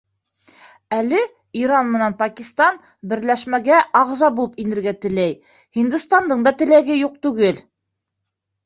Әле Иран менән Пакистан Берләшмәгә ағза булып инергә теләй, Һиндостандың да теләге юҡ түгел.